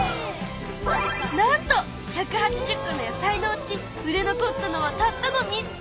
なんと１８０個の野菜のうち売れ残ったのはたったの３つ！